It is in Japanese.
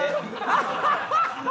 アハハハ！